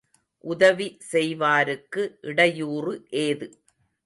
உதவி செய்வாருக்கு இடையூறு ஏது?